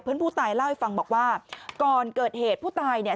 ผู้ตายเล่าให้ฟังบอกว่าก่อนเกิดเหตุผู้ตายเนี่ย